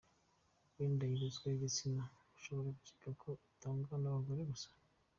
Wenda iyi ruswa y’igitsina mushobora gukeka ko itangwa n’abagore gusa.